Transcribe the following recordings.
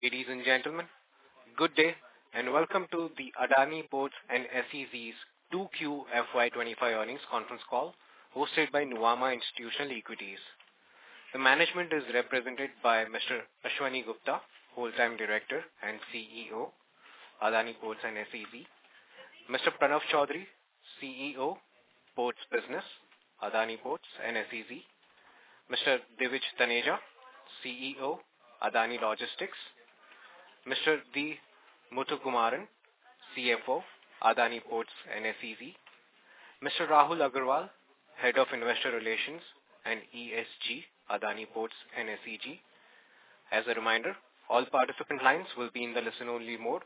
Ladies and gentlemen, good day and welcome to the Adani Ports and SEZ's 2Q FY 2025 earnings conference call hosted by Nuvama Institutional Equities. The management is represented by Mr. Ashwani Gupta, whole-time director and CEO, Adani Ports and SEZ; Mr. Pranav Choudhary, CEO, Ports Business, Adani Ports and SEZ; Mr. Divij Taneja, CEO, Adani Logistics; Mr. D. Muthukumaran, CFO, Adani Ports and SEZ; Mr. Rahul Agarwal, Head of Investor Relations and ESG, Adani Ports and SEZ. As a reminder, all participant lines will be in the listen-only mode,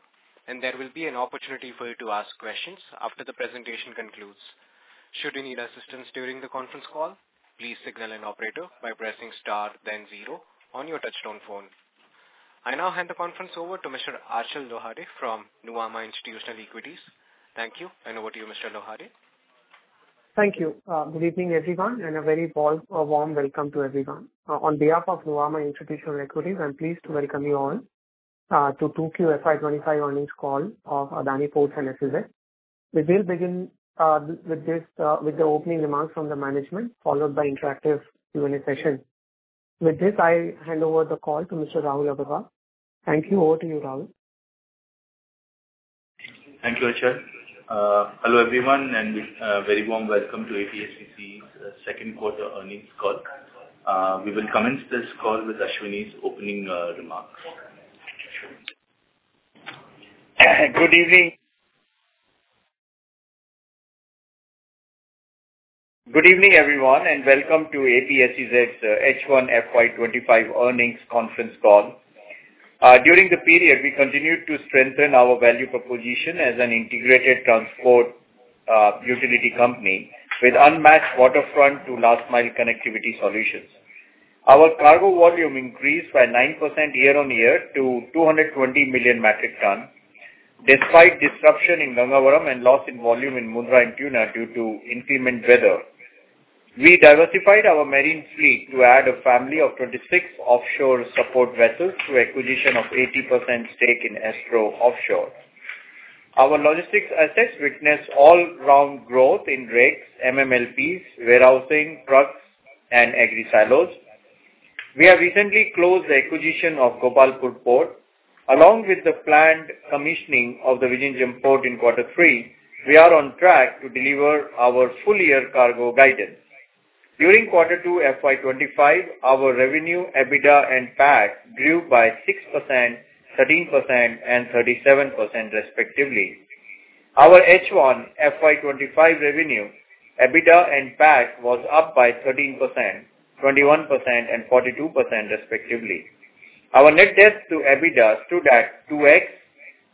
and there will be an opportunity for you to ask questions after the presentation concludes. Should you need assistance during the conference call, please signal an operator by pressing star, then zero on your touch-tone phone. I now hand the conference over to Mr. Achal Lohade from Nuvama Institutional Equities. Thank you, and over to you, Mr. Lohade. Thank you. Good evening, everyone, and a very warm welcome to everyone. On behalf of Nuvama Institutional Equities, I'm pleased to welcome you all to the 2Q FY 2025 earnings call of Adani Ports and SEZ. We will begin with the opening remarks from the management, followed by an interactive Q&A session. With this, I hand over the call to Mr. Rahul Agarwal. Thank you. Over to you, Rahul. Thank you, Achal. Hello, everyone, and a very warm welcome to APSEZ's second quarter earnings call. We will commence this call with Ashwani's opening remarks. Good evening. Good evening, everyone, and welcome to APSEZ's H1 FY 2025 earnings conference call. During the period, we continued to strengthen our value proposition as an integrated transport utility company with unmatched waterfront to last-mile connectivity solutions. Our cargo volume increased by 9% year-on-year to 220 million metric tons. Despite disruption in Gangavaram and loss in volume in Mundra and Tuna due to inclement weather, we diversified our marine fleet to add a family of 26 offshore support vessels to acquisition of 80% stake in Astro Offshore. Our logistics assets witnessed all-round growth in rigs, MMLPs, warehousing, trucks, and agri-silos. We have recently closed the acquisition of Gopalpur Port. Along with the planned commissioning of the Vizhinjam Port in quarter three, we are on track to deliver our full-year cargo guidance. During quarter two FY 2025, our revenue, EBITDA, and PAT grew by 6%, 13%, and 37%, respectively. Our H1 FY 2025 revenue, EBITDA, and PAT was up by 13%, 21%, and 42%, respectively. Our net debt to EBITDA stood at 2x.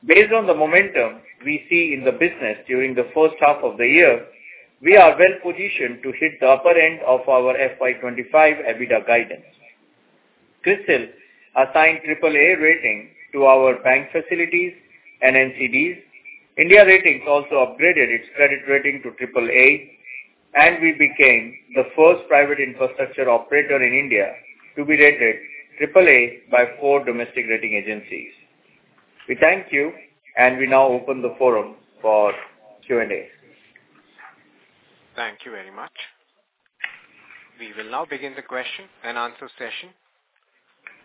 Based on the momentum we see in the business during the first half of the year, we are well-positioned to hit the upper end of our FY 2025 EBITDA guidance. CRISIL assigned AAA rating to our bank facilities and NCDs. India Ratings also upgraded its credit rating to AAA, and we became the first private infrastructure operator in India to be rated AAA by four domestic rating agencies. We thank you, and we now open the forum for Q&A. Thank you very much. We will now begin the question-and-answer session.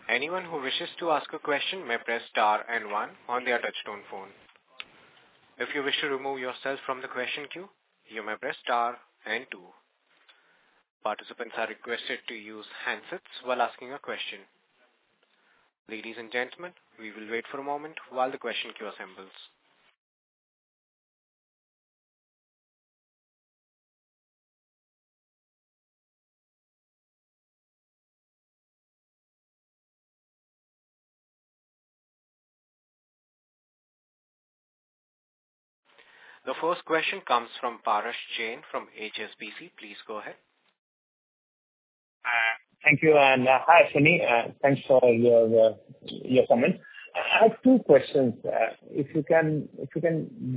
Anyone who wishes to ask a question may press star and one on their touch-tone phone. If you wish to remove yourself from the question queue, you may press star and two. Participants are requested to use handsets while asking a question. Ladies and gentlemen, we will wait for a moment while the question queue assembles. The first question comes from Parash Jain from HSBC. Please go ahead. Thank you. And hi, Ashwani. Thanks for your comment. I have two questions. If you can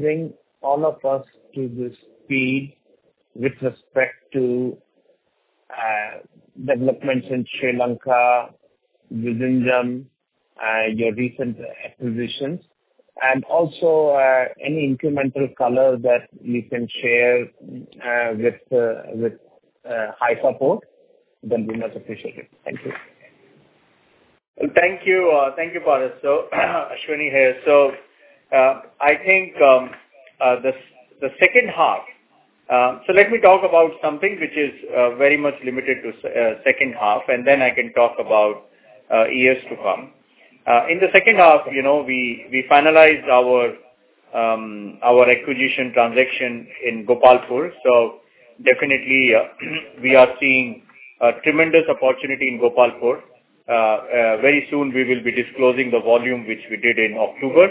bring all of us up to speed with respect to developments in Sri Lanka, Vizhinjam, your recent acquisitions, and also any incremental color that you can share with Haifa Port, then we'd much appreciate it. Thank you. Thank you, Parash. Ashwani here. I think the second half, so let me talk about something which is very much limited to the second half, and then I can talk about years to come. In the second half, we finalized our acquisition transaction in Gopalpur. Definitely, we are seeing a tremendous opportunity in Gopalpur. Very soon, we will be disclosing the volume which we did in October,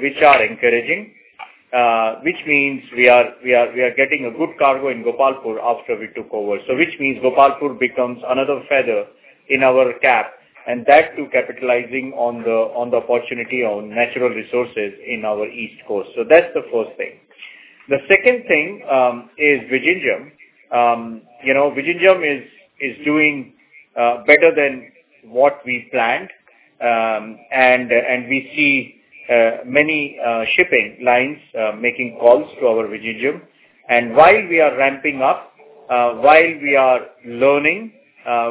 which are encouraging, which means we are getting a good cargo in Gopalpur after we took over. Which means Gopalpur becomes another feather in our cap, and that too capitalizing on the opportunity on natural resources in our east coast. That's the first thing. The second thing is Vizhinjam. Vizhinjam is doing better than what we planned, and we see many shipping lines making calls to our Vizhinjam. While we are ramping up, while we are learning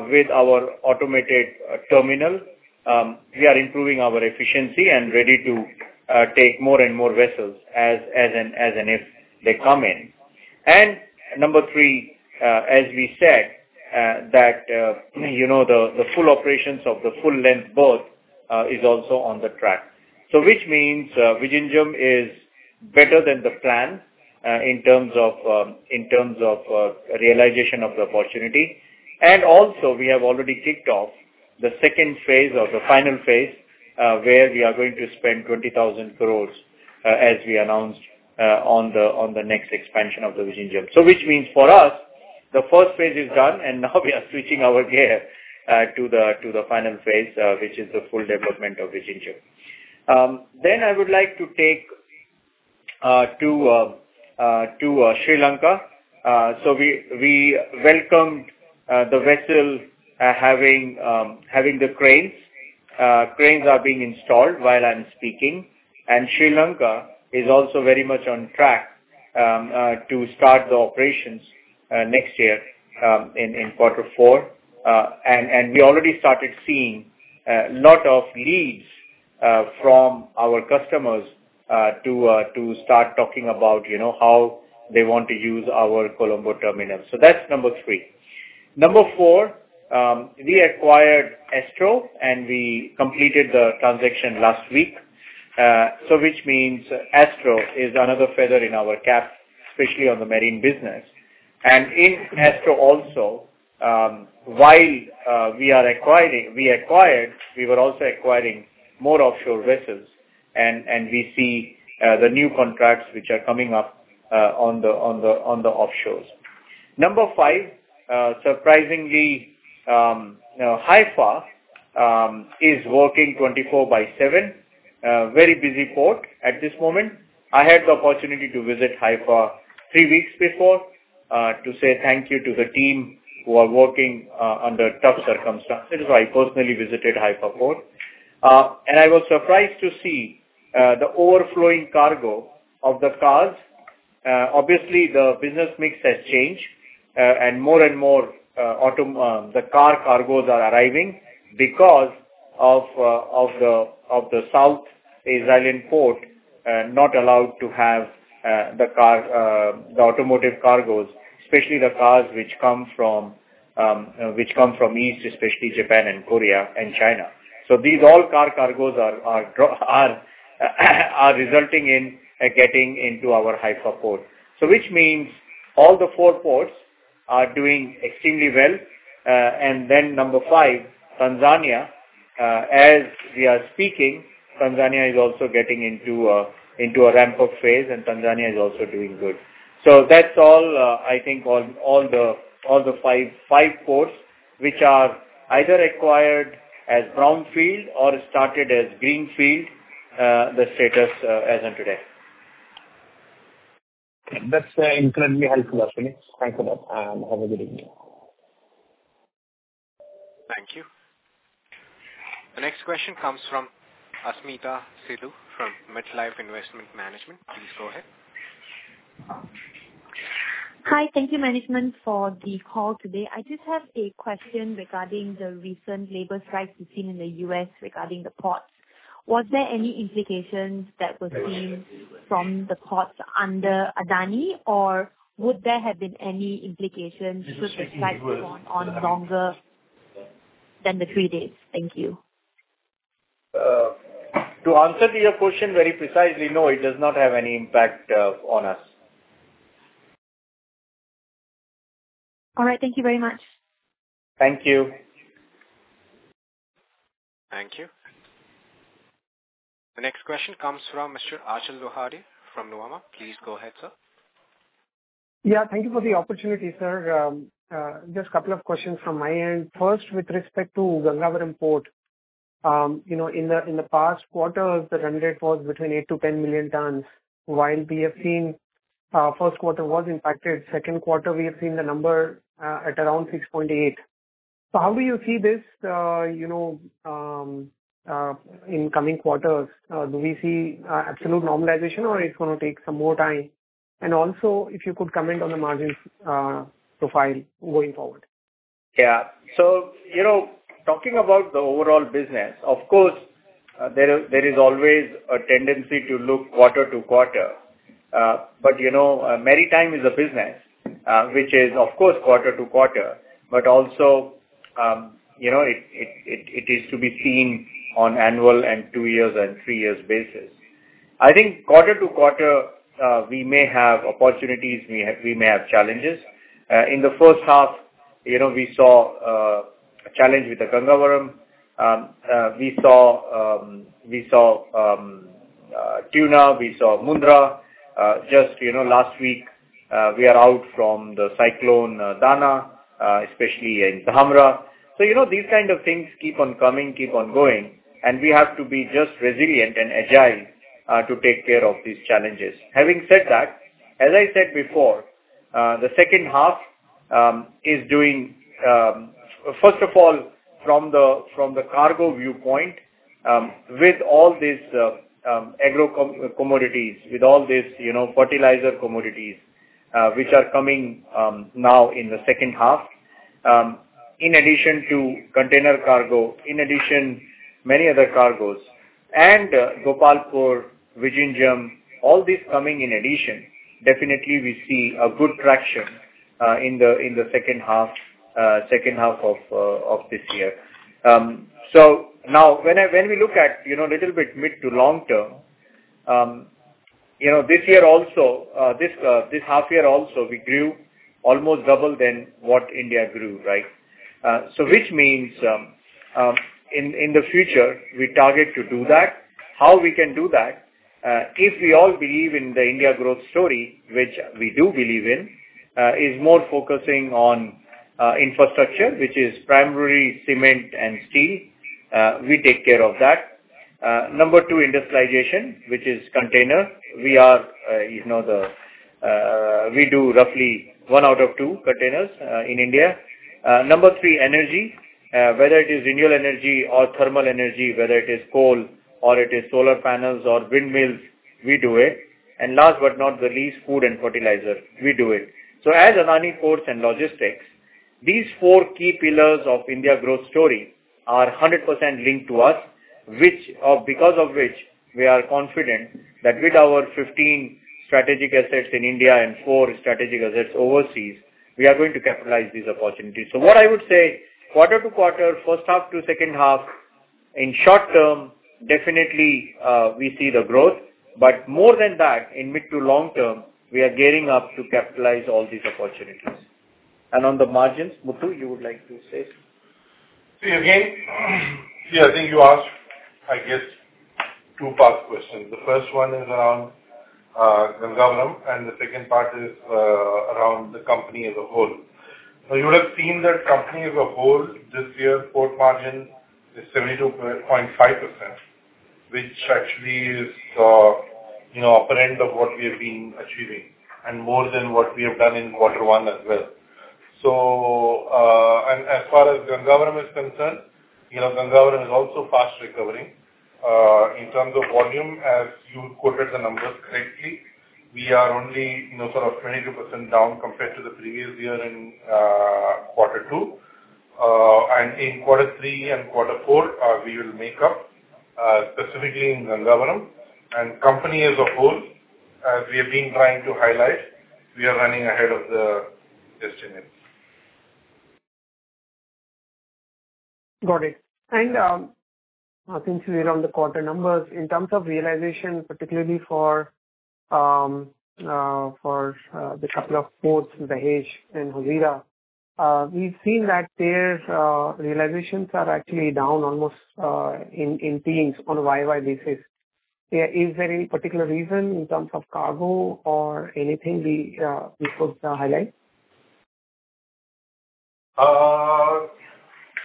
with our automated terminal, we are improving our efficiency and ready to take more and more vessels as and if they come in. Number three, as we said, that the full operations of the full-length berth is also on track. Which means Vizhinjam is better than the plan in terms of realization of the opportunity. Also, we have already kicked off the second phase or the final phase where we are going to spend 20,000 crores, as we announced, on the next expansion of the Vizhinjam. Which means for us, the first phase is done, and now we are switching our gear to the final phase, which is the full development of Vizhinjam. Then I would like to turn to Sri Lanka. We welcomed the vessel having the cranes. Cranes are being installed while I'm speaking, and Sri Lanka is also very much on track to start the operations next year in quarter four. We already started seeing a lot of leads from our customers to start talking about how they want to use our Colombo terminal. That's number three. Number four, we acquired Astro, and we completed the transaction last week, so which means Astro is another feather in our cap, especially on the marine business. In Astro also, while we acquired, we were also acquiring more offshore vessels, and we see the new contracts which are coming up on the offshores. Number five, surprisingly, Haifa is working 24 by 7. Very busy port at this moment. I had the opportunity to visit Haifa three weeks before to say thank you to the team who are working under tough circumstances. I personally visited Haifa Port, and I was surprised to see the overflowing cargo of the cars. Obviously, the business mix has changed, and more and more the car cargoes are arriving because of the South Israeli port not allowed to have the automotive cargoes, especially the cars which come from east, especially Japan and Korea and China, so these all car cargoes are resulting in getting into our Haifa Port, so which means all the four ports are doing extremely well, and then number five, Tanzania. As we are speaking, Tanzania is also getting into a ramp-up phase, and Tanzania is also doing good. That's all, I think, all the five ports which are either acquired as brownfield or started as greenfield, the status as of today. That's incredibly helpful, Ashwani. Thanks a lot, and have a good evening. Thank you. The next question comes from Asmeeta Sidhu from MetLife Investment Management. Please go ahead. Hi. Thank you, Management, for the call today. I just have a question regarding the recent labor strikes we've seen in the U.S. regarding the ports. Was there any implications that were seen from the ports under Adani, or would there have been any implications should the strikes have gone on longer than the three days? Thank you. To answer to your question very precisely, no, it does not have any impact on us. All right. Thank you very much. Thank you. Thank you. The next question comes from Mr. Achal Lohade from Nuvama. Please go ahead, sir. Yeah. Thank you for the opportunity, sir. Just a couple of questions from my end. First, with respect to Gangavaram Port, in the past quarter, the run rate was between 8 million tons-10 million tons, while we have seen first quarter was impacted. Second quarter, we have seen the number at around 6.8. So how do you see this in coming quarters? Do we see absolute normalization, or it's going to take some more time? And also, if you could comment on the margin profile going forward. Yeah. So talking about the overall business, of course, there is always a tendency to look quarter-over-quarter. But maritime is a business which is, of course, quarter-over-quarter, but also it is to be seen on annual and two-years and three-years basis. I think quarter-over-quarter, we may have opportunities. We may have challenges. In the first half, we saw a challenge with the Gangavaram. We saw Tuna. We saw Mundra. Just last week, we are out from the cyclone Dana, especially in Tamil Nadu. So these kinds of things keep on coming, keep on going, and we have to be just resilient and agile to take care of these challenges. Having said that, as I said before, the second half is doing, first of all, from the cargo viewpoint, with all these agro commodities, with all these fertilizer commodities which are coming now in the second half, in addition to container cargo, in addition to many other cargoes, and Gopalpur, Vizhinjam, all these coming in addition, definitely we see a good traction in the second half of this year. So now, when we look at a little bit mid to long term, this year also, this half year also, we grew almost double than what India grew, right? So which means in the future, we target to do that. How we can do that? If we all believe in the India growth story, which we do believe in, is more focusing on infrastructure, which is primarily cement and steel, we take care of that. Number two, industrialization, which is container. We do roughly one out of two containers in India. Number three, energy. Whether it is renewable energy or thermal energy, whether it is coal or it is solar panels or windmills, we do it. And last but not the least, food and fertilizer, we do it, so as Adani Ports and Logistics, these four key pillars of India growth story are 100% linked to us, because of which we are confident that with our 15 strategic assets in India and four strategic assets overseas, we are going to capitalize these opportunities, so what I would say, quarter-over-quarter, first half to second half, in short term, definitely we see the growth, but more than that, in mid to long term, we are gearing up to capitalize all these opportunities. On the margins, Muthu, you would like to say something? Again, yeah, I think you asked, I guess, two-part questions. The first one is around Gangavaram, and the second part is around the company as a whole. So you would have seen that company as a whole this year, port margin is 72.5%, which actually is upper end of what we have been achieving and more than what we have done in quarter one as well. So as far as Gangavaram is concerned, Gangavaram is also fast recovering in terms of volume. As you quoted the numbers correctly, we are only sort of 22% down compared to the previous year in quarter two. And in quarter three and quarter four, we will make up, specifically in Gangavaram. And company as a whole, as we have been trying to highlight, we are running ahead of the estimates. Got it. And since we're on the quarter numbers, in terms of realization, particularly for the couple of ports, Dahej and Hazira, we've seen that their realizations are actually down almost in teens on a YoY basis. Is there any particular reason in terms of cargo or anything we should highlight?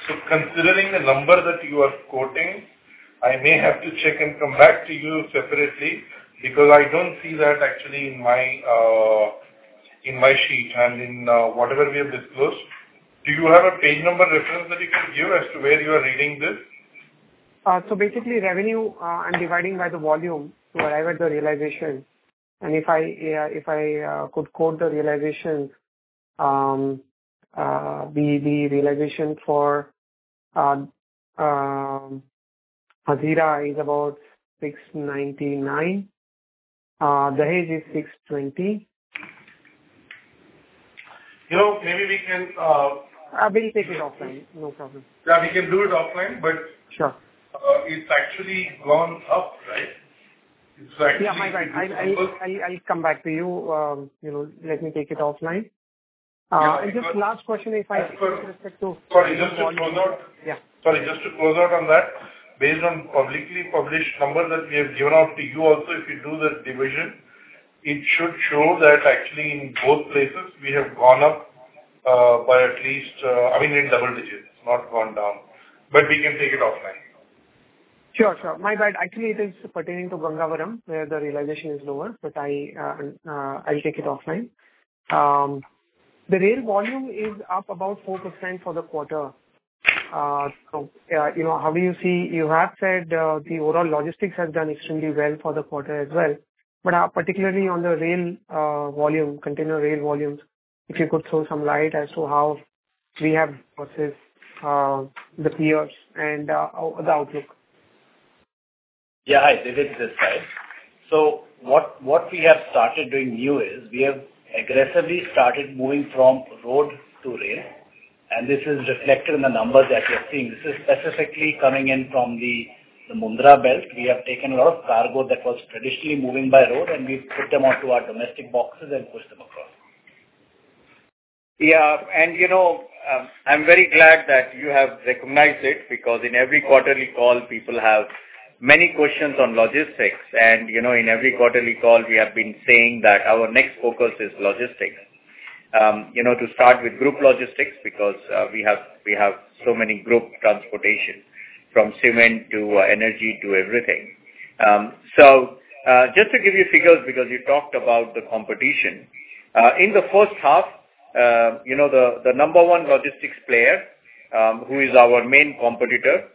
So considering the number that you are quoting, I may have to check and come back to you separately because I don't see that actually in my sheet and in whatever we have disclosed. Do you have a page number reference that you can give as to where you are reading this? Basically, revenue and dividing by the volume to arrive at the realization. And if I could quote the realization, the realization for Hazira is about 699. Dahej is 620. Maybe we can. We'll take it offline. No problem. Yeah, we can do it offline, but it's actually gone up, right? It's actually gone up. Yeah, I'll come back to you. Let me take it offline. And just last question, if I could with respect to. Sorry, just to close out. Yeah. Sorry, just to close out on that, based on publicly published numbers that we have given out to you also, if you do the division, it should show that actually in both places, we have gone up by at least, I mean, in double digits, not gone down. But we can take it offline. Sure, sure. My bad. Actually, it is pertaining to Gangavaram, where the realization is lower, but I'll take it offline. The rail volume is up about 4% for the quarter. So how do you see? You have said the overall logistics has done extremely well for the quarter as well. But particularly on the rail volume, container rail volumes, if you could throw some light as to how we have versus the peers and the outlook. Yeah, I did it this side. So what we have started doing new is we have aggressively started moving from road to rail, and this is reflected in the numbers that you're seeing. This is specifically coming in from the Mundra belt. We have taken a lot of cargo that was traditionally moving by road, and we put them onto our domestic boxes and pushed them across. Yeah, and I'm very glad that you have recognized it because in every quarterly call, people have many questions on logistics, and in every quarterly call, we have been saying that our next focus is logistics, to start with group logistics because we have so many group transportation from cement to energy to everything. So just to give you figures because you talked about the competition, in the first half, the number one logistics player, who is our main competitor,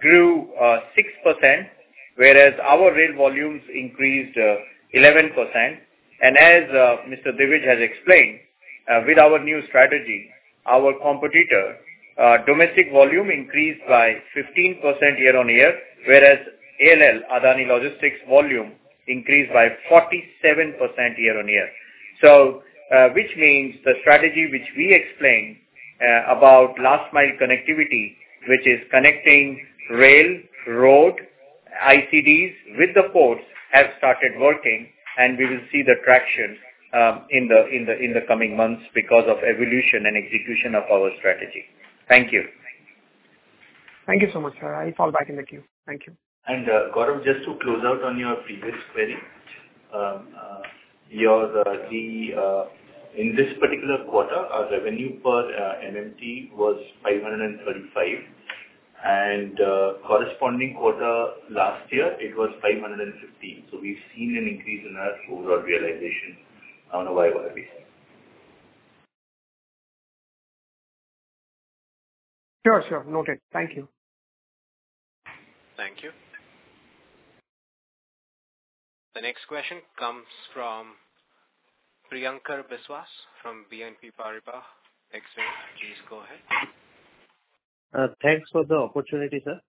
grew 6%, whereas our rail volumes increased 11%, and as Mr. Divij has explained, with our new strategy, our competitor, domestic volume increased by 15% year-on-year, whereas ALL, Adani Logistics volume, increased by 47% year-on-year, so which means the strategy which we explained about last mile connectivity, which is connecting rail, road, ICDs with the ports, has started working, and we will see the traction in the coming months because of evolution and execution of our strategy. Thank you. Thank you so much, sir. I'll fall back in the queue. Thank you. Gaurav, just to close out on your previous query, in this particular quarter, our revenue per MMT was 535, and corresponding quarter last year, it was 515. So we've seen an increase in our overall realization on a year-on-year basis. Sure, sure. Noted. Thank you. Thank you. The next question comes from Priyankar Biswas from BNP Paribas. Excellent. Please go ahead. Thanks for the opportunity, sir.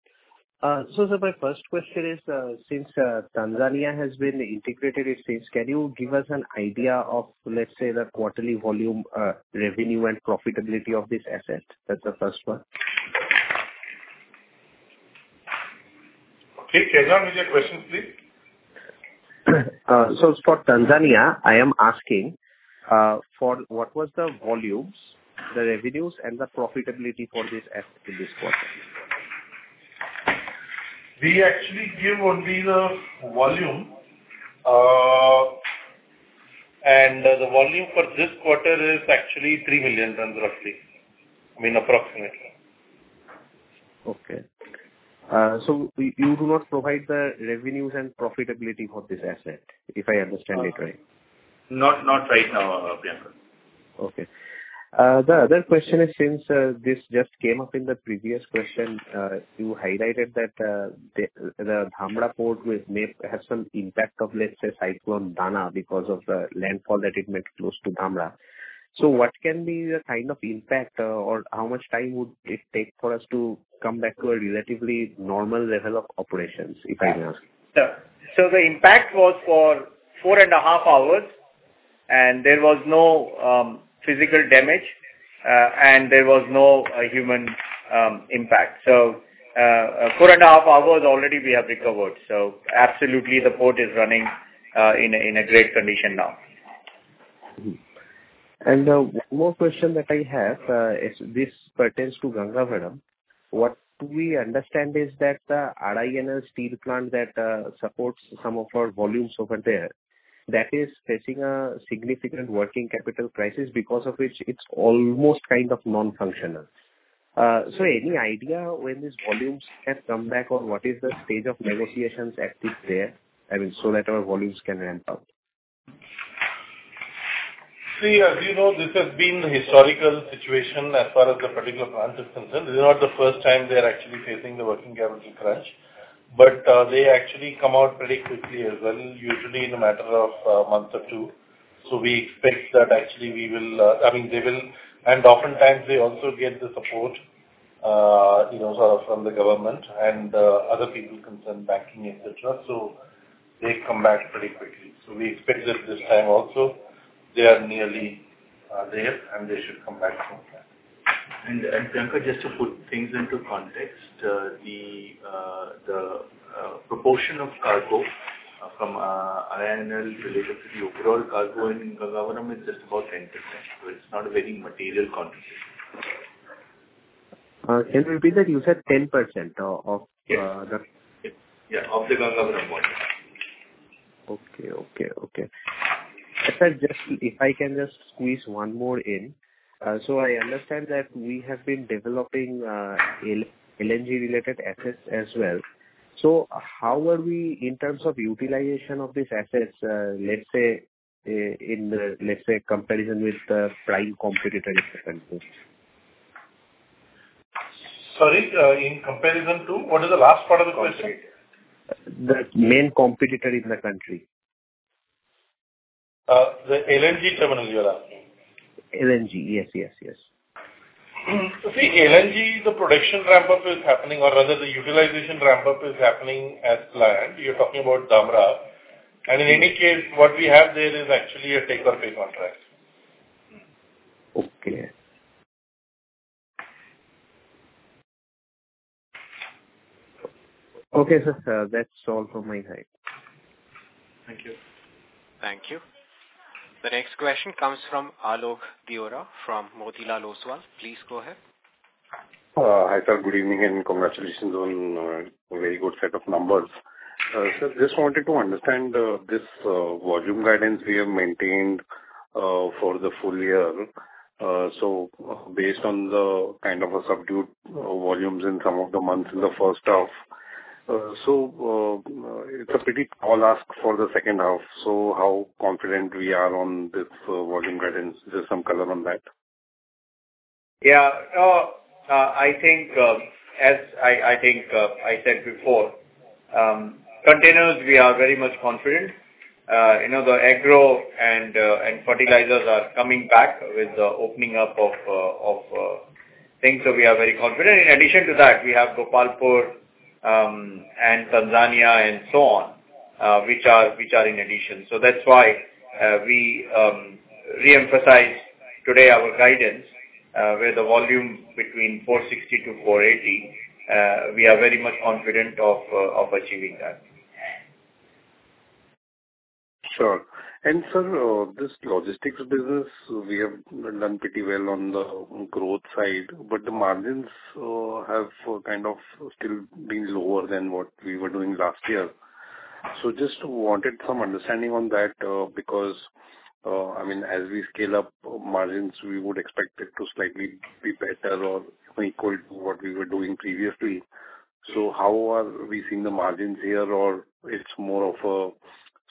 So my first question is, since Tanzania has been integrated, it seems, can you give us an idea of, let's say, the quarterly volume, revenue, and profitability of this asset? That's the first one. Okay. Can you ask me the question, please? So for Tanzania, I am asking for what was the volumes, the revenues, and the profitability for this asset in this quarter? We actually give only the volume, and the volume for this quarter is actually 3 million tons, roughly. I mean, approximately. Okay, so you do not provide the revenues and profitability for this asset, if I understand it right? Not right now, Priyankar. Okay. The other question is, since this just came up in the previous question, you highlighted that the Gopalpur Port has some impact of, let's say, cyclone Dana because of the landfall that it met close to Gopalpur. So what can be the kind of impact, or how much time would it take for us to come back to a relatively normal level of operations, if I may ask? So the impact was for four and a half hours, and there was no physical damage, and there was no human impact. So four and a half hours already we have recovered. So absolutely, the port is running in a great condition now. And one more question that I have is this pertains to Gangavaram. What we understand is that the Essar Steel plant that supports some of our volumes over there, that is facing a significant working capital crisis because of which it's almost kind of non-functional. So any idea when these volumes have come back, or what is the stage of negotiations at this there, I mean, so that our volumes can ramp up? See, as you know, this has been the historical situation as far as the particular plant is concerned. This is not the first time they are actually facing the working capital crunch, but they actually come out pretty quickly as well, usually in a matter of a month or two. So we expect that actually we will, I mean, they will, and oftentimes they also get the support sort of from the government and other people concerned banking, etc. So they come back pretty quickly. So we expect that this time also, they are nearly there, and they should come back soon. Priyanka, just to put things into context, the proportion of cargo from RINL Steel related to the overall cargo in Gangavaram is just about 10%. It's not very material contribution. Can you repeat that? You said 10% of the. Yeah, of the Gangavaram port. Okay, okay, okay. If I can just squeeze one more in, so I understand that we have been developing LNG-related assets as well. So how are we in terms of utilization of these assets, let's say, in the, let's say, comparison with the prime competitor in the country? Sorry, in comparison to? What is the last part of the question? The main competitor in the country. The LNG terminal, you are asking? LNG, yes, yes, yes. See, LNG, the production ramp-up is happening, or rather the utilization ramp-up is happening as planned. You're talking about Gangavaram. And in any case, what we have there is actually a take-or-pay contract. Okay. Okay, sir. That's all from my side. Thank you. Thank you. The next question comes from Alok Deora from Motilal Oswal. Please go ahead. Hi sir, good evening and congratulations on a very good set of numbers. Sir, just wanted to understand this volume guidance we have maintained for the full year. So based on the kind of subdued volumes in some of the months in the first half, so it's a pretty tall ask for the second half. So how confident we are on this volume guidance? Is there some color on that? Yeah. I think, as I think I said before, containers, we are very much confident. The agro and fertilizers are coming back with the opening up of things, so we are very confident. In addition to that, we have Gopalpur and Tanzania and so on, which are in addition. So that's why we re-emphasize today our guidance, where the volume between 460-480, we are very much confident of achieving that. Sure. And sir, this logistics business, we have done pretty well on the growth side, but the margins have kind of still been lower than what we were doing last year. So just wanted some understanding on that because, I mean, as we scale up margins, we would expect it to slightly be better or equal to what we were doing previously. So how are we seeing the margins here, or it's more of a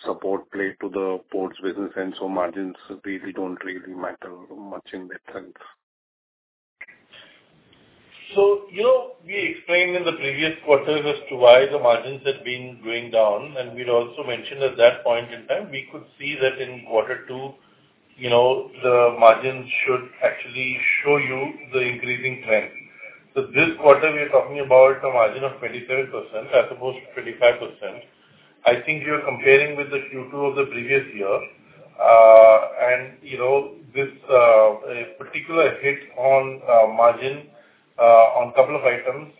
support play to the ports' business, and so margins really don't matter much in that sense. So we explained in the previous quarter as to why the margins had been going down, and we also mentioned at that point in time, we could see that in quarter two, the margins should actually show you the increasing trend. So this quarter, we are talking about a margin of 27% as opposed to 25%. I think you're comparing with the Q2 of the previous year, and this particular hit on margin on a couple of items,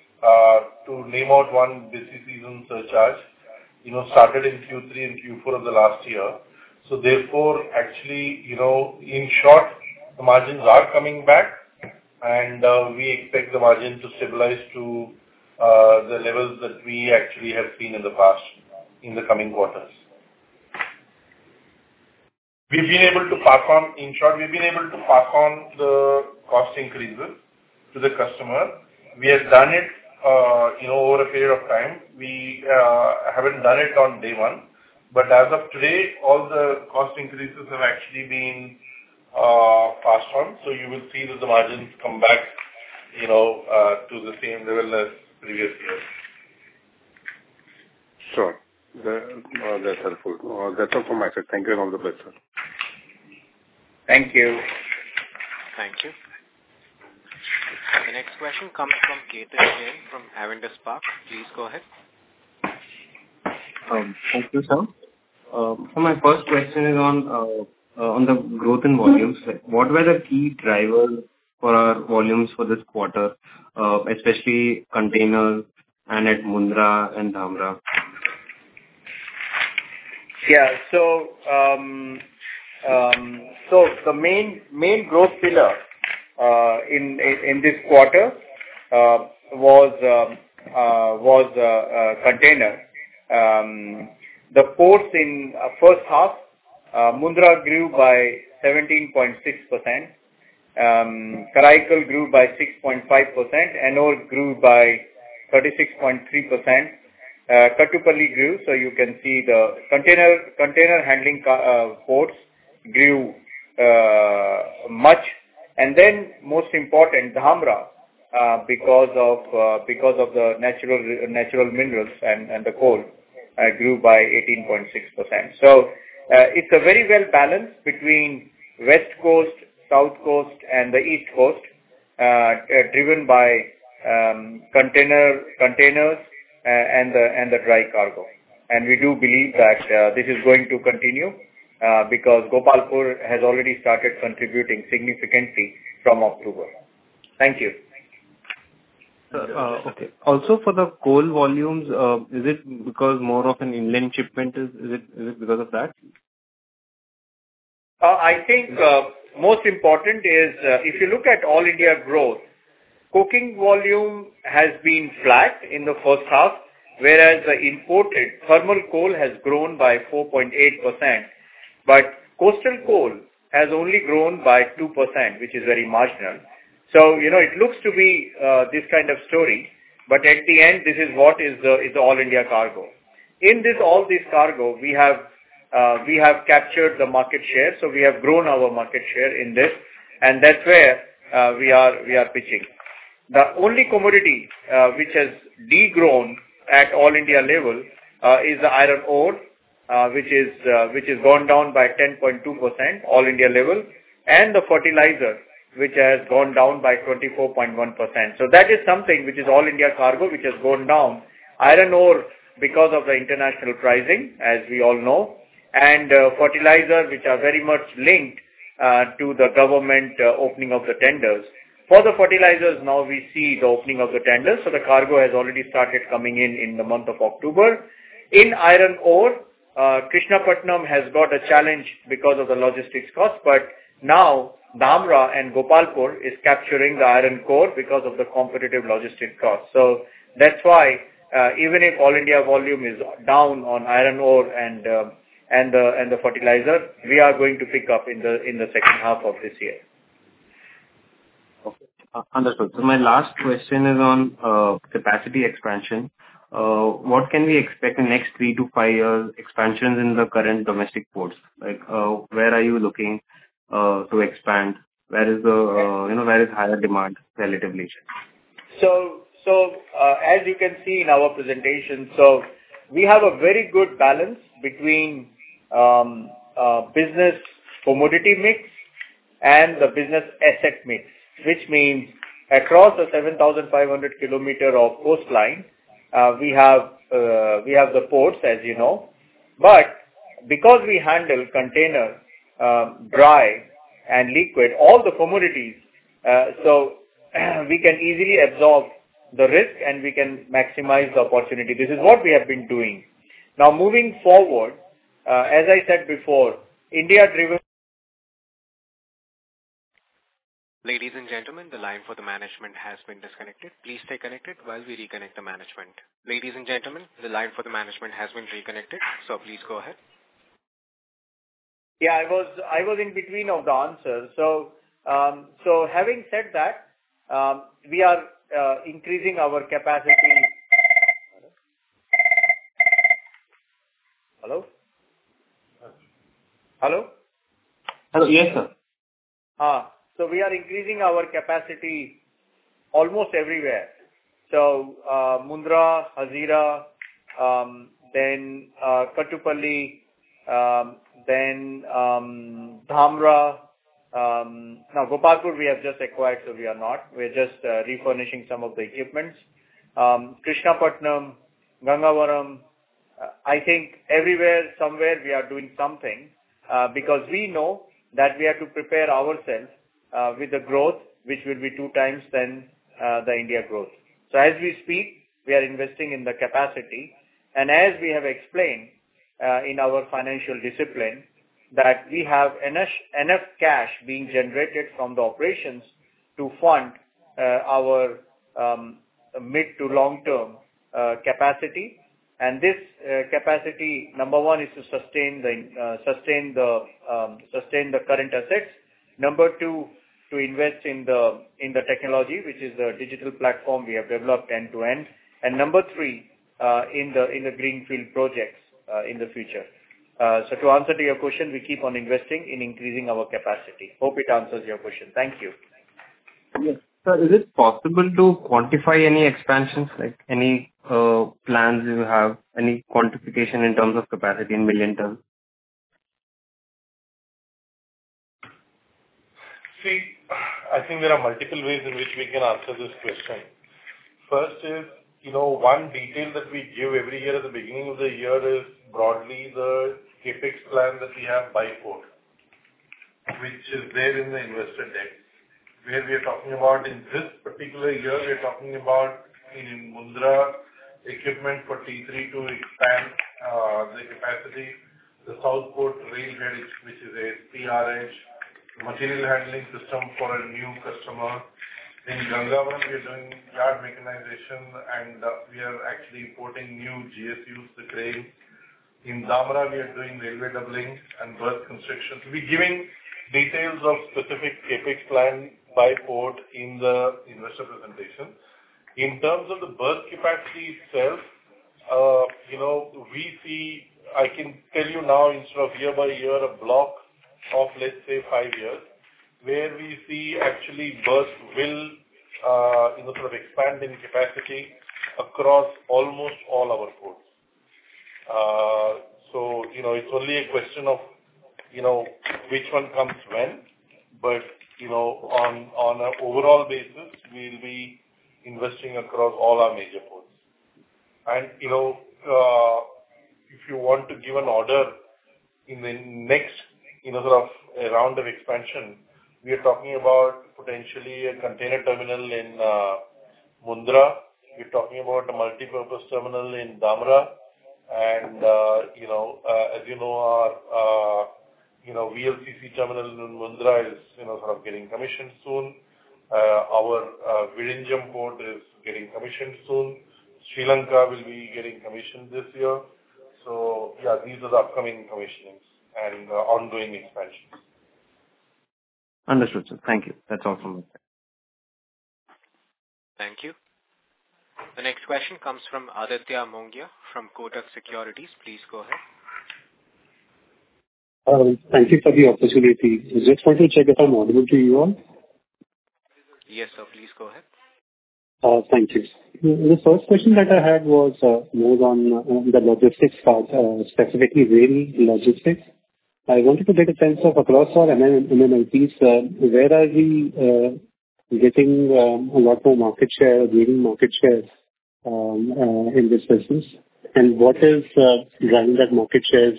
to name out one, busy season surcharge, started in Q3 and Q4 of the last year. So therefore, actually, in short, the margins are coming back, and we expect the margin to stabilize to the levels that we actually have seen in the past in the coming quarters. We've been able to pass on, in short, we've been able to pass on the cost increases to the customer. We have done it over a period of time. We haven't done it on day one, but as of today, all the cost increases have actually been passed on. So you will see that the margins come back to the same level as previous years. Sure. That's helpful. That's all from my side. Thank you and all the best, sir. Thank you. Thank you. The next question comes from Ketan Jain from Avendus Spark. Please go ahead. Thank you, sir. So my first question is on the growth in volumes. What were the key drivers for our volumes for this quarter, especially container and at Mundra and Dhamra? Yeah. So the main growth pillar in this quarter was container. The ports in first half, Mundra grew by 17.6%, Karaikal grew by 6.5%, Ennore grew by 36.3%, Kattupalli grew. So you can see the container handling ports grew much. And then most important, Dhamra, because of the natural minerals and the coal, grew by 18.6%. So it's a very well-balanced between West Coast, South Coast, and the East Coast, driven by containers and the dry cargo. And we do believe that this is going to continue because Gopalpur has already started contributing significantly from October. Thank you. Okay. Also for the coal volumes, is it because more of an inland shipment? Is it because of that? I think most important is if you look at all India growth, coking volume has been flat in the first half, whereas the imported thermal coal has grown by 4.8%, but coastal coal has only grown by 2%, which is very marginal. So it looks to be this kind of story, but at the end, this is what is the all India cargo. In all this cargo, we have captured the market share, so we have grown our market share in this, and that's where we are pitching. The only commodity which has degrown at all India level is the iron ore, which has gone down by 10.2%, all India level, and the fertilizer, which has gone down by 24.1%. So that is something which is all India cargo, which has gone down. Iron ore, because of the international pricing, as we all know, and fertilizer, which are very much linked to the government opening of the tenders. For the fertilizers, now we see the opening of the tenders, so the cargo has already started coming in in the month of October. In iron ore, Krishnapatnam has got a challenge because of the logistics costs, but now Dhamra and Gopalpur is capturing the iron ore because of the competitive logistics costs. So that's why even if all India volume is down on iron ore and the fertilizer, we are going to pick up in the second half of this year. Okay. Understood. So my last question is on capacity expansion. What can we expect in the next three to five years' expansion in the current domestic ports? Where are you looking to expand? Where is the higher demand relatively? So as you can see in our presentation, we have a very good balance between business commodity mix and the business asset mix, which means across the 7,500 km of coastline, we have the ports, as you know. But because we handle container, dry, and liquid, all the commodities, so we can easily absorb the risk, and we can maximize the opportunity. This is what we have been doing. Now, moving forward, as I said before, India-driven. Ladies and gentlemen, the line for the management has been disconnected. Please stay connected while we reconnect the management. Ladies and gentlemen, the line for the management has been reconnected, so please go ahead. Yeah, I was in between of the answers. So having said that, we are increasing our capacity. Hello? Hello? Yes, sir. We are increasing our capacity almost everywhere. Mundra, Hazira, then Kattupalli, then Dhamra. Now, Gopalpur, we have just acquired, so we are not. We are just refurbishing some of the equipment. Krishnapatnam, Gangavaram, I think everywhere somewhere we are doing something because we know that we have to prepare ourselves with the growth, which will be two times than the India growth. As we speak, we are investing in the capacity. As we have explained in our financial discipline, we have enough cash being generated from the operations to fund our mid- to long-term capacity. This capacity, number one, is to sustain the current assets. Number two, to invest in the technology, which is the digital platform we have developed end-to-end. Number three, in the greenfield projects in the future. So to answer to your question, we keep on investing in increasing our capacity. Hope it answers your question. Thank you. Yes. Sir, is it possible to quantify any expansions, any plans you have, any quantification in terms of capacity in million terms? See, I think there are multiple ways in which we can answer this question. First, one detail that we give every year at the beginning of the year is broadly the CapEx plan that we have by port, which is there in the investor deck, where we are talking about in this particular year, we are talking about in Mundra, equipment for T3 to expand the capacity. The South Port rail bridge, which is a CRS, material handling system for a new customer. In Gangavaram, we are doing yard mechanization, and we are actually importing new GSUs, two trains. In Dhamra, we are doing railway doubling and berth construction. We're giving details of specific Capex plan by port in the investor presentation. In terms of the berth capacity itself, we see I can tell you now in sort of year by year a block of, let's say, five years, where we see actually berth will sort of expand in capacity across almost all our ports. So it's only a question of which one comes when, but on an overall basis, we'll be investing across all our major ports. And if you want to give an order in the next sort of round of expansion, we are talking about potentially a container terminal in Mundra. We're talking about a multi-purpose terminal in Dhamra. And as you know, our VLCC terminal in Mundra is sort of getting commissioned soon. Our Vizhinjam port is getting commissioned soon. Sri Lanka will be getting commissioned this year. So yeah, these are the upcoming commissionings and ongoing expansions. Understood, sir. Thank you. That's all from my side. Thank you. The next question comes from Aditya Mongia from Kotak Securities. Please go ahead. Thank you for the opportunity. I just want to check if I'm audible to you all. Yes, sir. Please go ahead. Thank you. The first question that I had was more on the logistics part, specifically rail logistics. I wanted to get a sense of across our MMLPs, where are we getting a lot more market share, gaining market share in this business? And what is driving that market share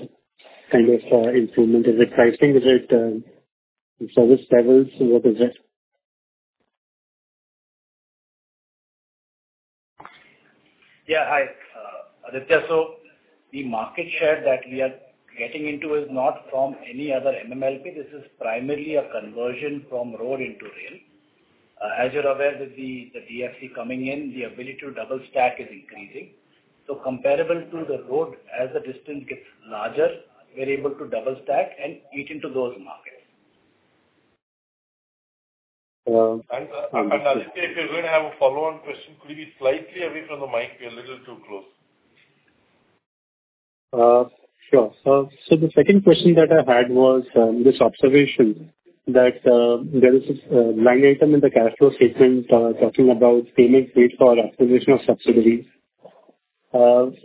kind of improvement? Is it pricing? Is it service levels? What is it? Yeah. Hi, Aditya. So the market share that we are getting into is not from any other MMLP. This is primarily a conversion from road into rail. As you're aware, with the DFC coming in, the ability to double stack is increasing. So comparable to the road, as the distance gets larger, we're able to double stack and eat into those markets. Aditya, if you're going to have a follow-on question, could you be slightly away from the mic? We're a little too close. Sure. So the second question that I had was this observation that there is a line item in the cash flow statement talking about payments made for acquisition of subsidiaries.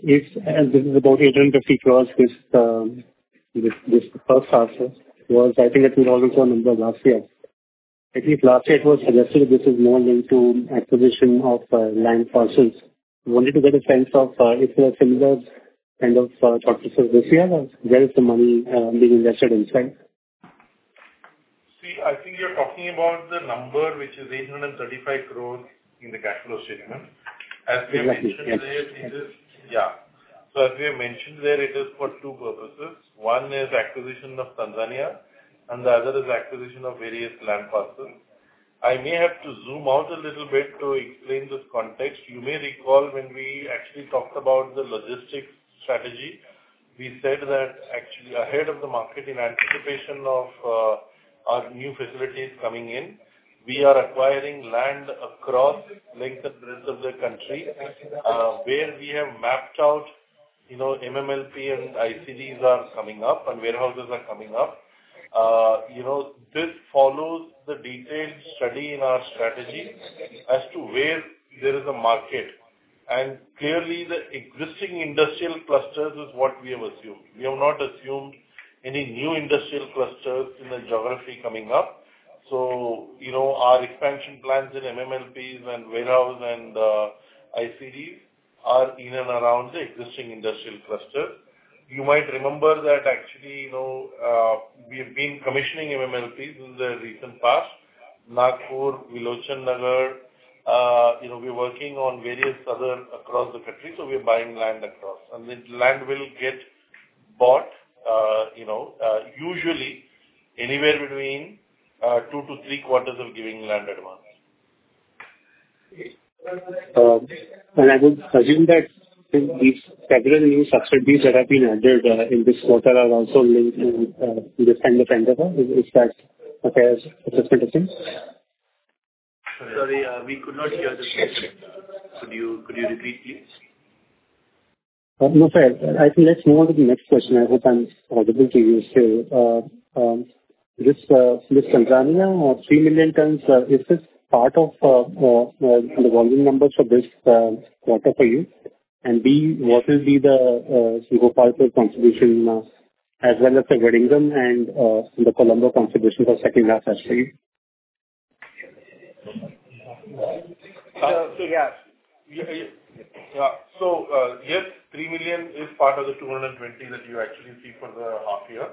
This is about 850 crores, and the first half was, I think, at INR 2,400 crores last year. I think last year it was suggested that this is more linked to acquisition of land parcels. Wanted to get a sense of if there are similar kind of acquisitions this year, where is the money being invested inside? See, I think you're talking about the number, which is 835 crores in the cash flow statement. As we have mentioned there, it is for two purposes. One is acquisition of Tanzania, and the other is acquisition of various land parcels. I may have to zoom out a little bit to explain this context. You may recall when we actually talked about the logistics strategy. We said that actually ahead of the market, in anticipation of our new facilities coming in, we are acquiring land across length and breadth of the country, where we have mapped out MMLP and ICDs are coming up and warehouses are coming up. This follows the detailed study in our strategy as to where there is a market, and clearly, the existing industrial clusters is what we have assumed. We have not assumed any new industrial clusters in the geography coming up. So our expansion plans in MMLPs and warehouse and ICDs are in and around the existing industrial clusters. You might remember that actually we have been commissioning MMLPs in the recent past, Nagpur, Virochannagar. We are working on various other across the country, so we are buying land across. And the land will get bought usually anywhere between two to three quarters of giving land advance. I would suggest that these several new subsidiaries that have been added in this quarter are also linked to this kind of endeavor. Is that a fair assessment of things? Sorry, we could not hear the question. Could you repeat, please? No, sir. I think let's move on to the next question. I hope I'm audible to you still. This Tanzania 3 million tons, is this part of the volume numbers for this quarter for you? And B, what will be the Gopalpur contribution as well as the Vizhinjam and the Colombo contribution for second half as well? Yeah. So yes, 3 million is part of the 220 that you actually see for the half year.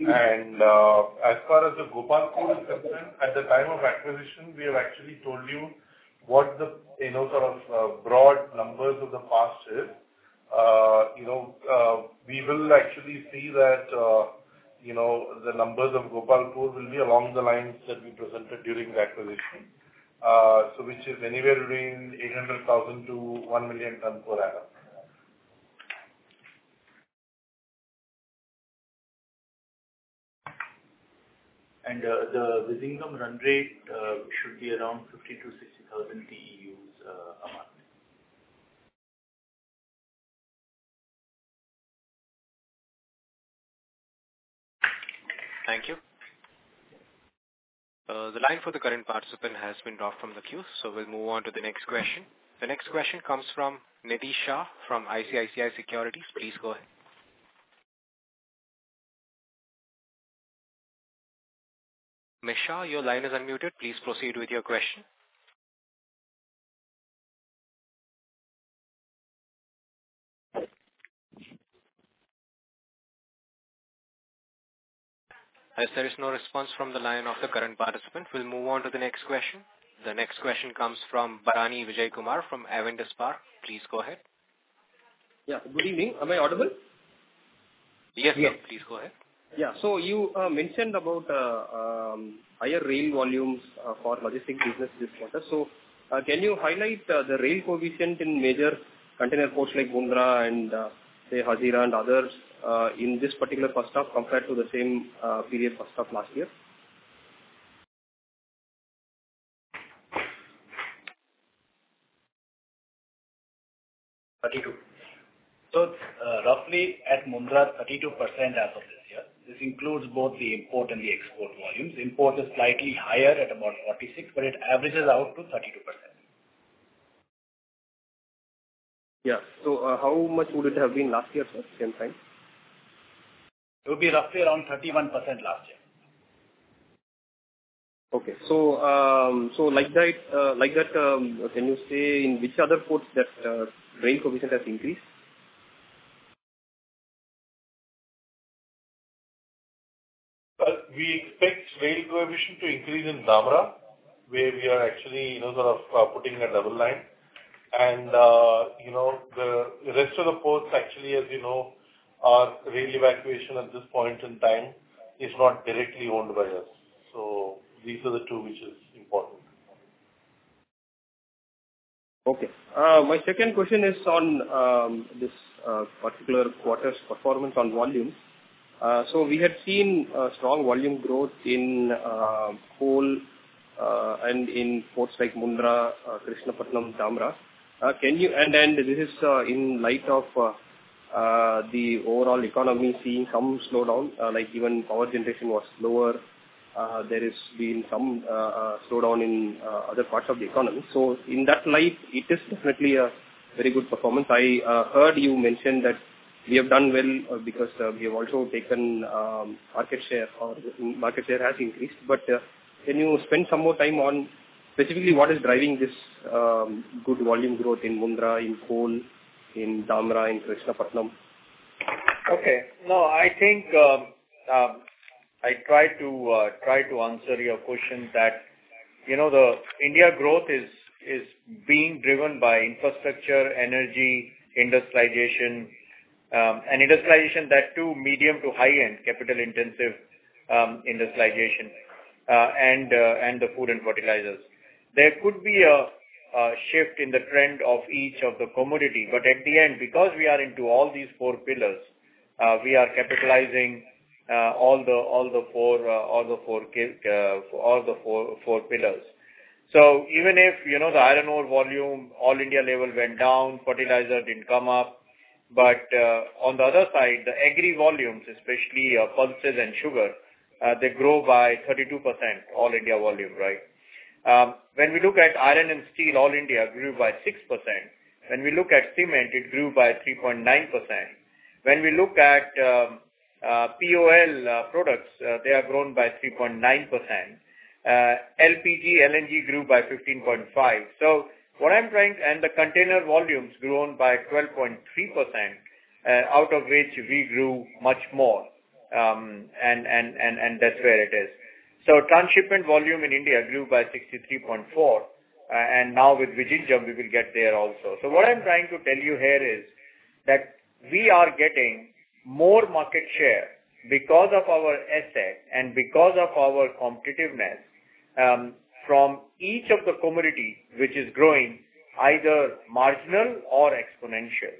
And as far as the Gopalpur is concerned, at the time of acquisition, we have actually told you what the sort of broad numbers of the past is. We will actually see that the numbers of Gopalpur will be along the lines that we presented during the acquisition, which is anywhere between 800,000 ton-1 million ton per annum. The Vizhinjam run rate should be around 50,000 TEUs-60,000 TEUs a month. Thank you. The line for the current participant has been dropped from the queue, so we'll move on to the next question. The next question comes from Nidhesh from ICICI Securities. Please go ahead. Nidhesh, your line is unmuted. Please proceed with your question. As there is no response from the line of the current participant, we'll move on to the next question. The next question comes from Bharanidhar Vijayakumar from Avendus Spark. Please go ahead. Yeah. Good evening. Am I audible? Yes, sir. Please go ahead. Yeah. So, you mentioned about higher rail volumes for logistics business this quarter. So, can you highlight the rail coefficient in major container ports like Mundra and Hazira and others in this particular first half compared to the same period first half last year? 32%. So roughly at Mundra, 32% as of this year. This includes both the import and the export volumes. Import is slightly higher at about 46%, but it averages out to 32%. Yeah. So how much would it have been last year, sir, same time? It would be roughly around 31% last year. Okay. So like that, can you say in which other ports that rail coefficient has increased? We expect rail coefficient to increase in Dhamra, where we are actually sort of putting a double line. The rest of the ports, actually, as you know, our rail evacuation at this point in time is not directly owned by us. These are the two which are important. Okay. My second question is on this particular quarter's performance on volume. So we have seen strong volume growth in coal and in ports like Mundra, Krishnapatnam, Dhamra. And this is in light of the overall economy seeing some slowdown, like even power generation was slower. There has been some slowdown in other parts of the economy. So in that light, it is definitely a very good performance. I heard you mention that we have done well because we have also taken market share or market share has increased. But can you spend some more time on specifically what is driving this good volume growth in Mundra, in coal, in Dhamra, in Krishnapatnam? Okay. No, I think I tried to answer your question that the India growth is being driven by infrastructure, energy, industrialization, and industrialization that, too, medium to high-end capital-intensive industrialization and the food and fertilizers. There could be a shift in the trend of each of the commodity, but at the end, because we are into all these four pillars, we are capitalizing all the four pillars. So even if the iron ore volume, all India level went down, fertilizer didn't come up, but on the other side, the agri volumes, especially pulses and sugar, they grow by 32% all India volume, right? When we look at iron and steel, all India grew by 6%. When we look at cement, it grew by 3.9%. When we look at POL products, they are grown by 3.9%. LPG, LNG grew by 15.5%. So what I'm trying to and the container volumes grew by 12.3%, out of which we grew much more, and that's where it is. So transshipment volume in India grew by 63.4%, and now with Vizhinjam, we will get there also. So what I'm trying to tell you here is that we are getting more market share because of our asset and because of our competitiveness from each of the commodities, which is growing either marginal or exponential.